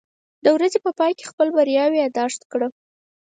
د ورځې په پای کې خپل بریاوې یاداښت کړه.